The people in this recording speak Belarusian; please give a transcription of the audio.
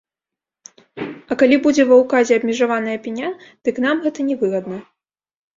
А калі будзе ва ўказе абмежаваная пеня, дык нам гэта не выгадна.